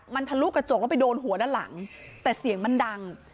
มันทะลุกระจกแล้วไปโดนหัวด้านหลังแต่เสียงมันดัง